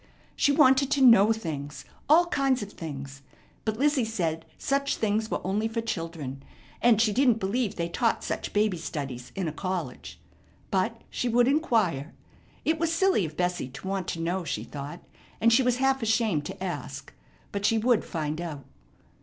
She wanted to know things, all kinds of things; but Lizzie said such things were only for children, and she didn't believe they taught such baby studies in a college. But she would inquire. It was silly of Bessie to want to know, she thought, and she was half ashamed to ask. But she would find out.